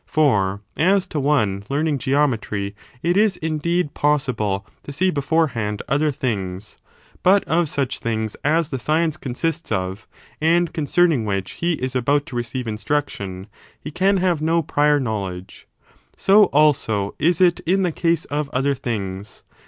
For, as to one learning tt« geometry, it is, indeed, possible to see beforehand other things; but of such things as the science consists o^ and concerning which he is about to receive instruction, he can have no prior knowledge, so, also, is it in the case of other things.